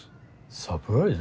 サプライズ？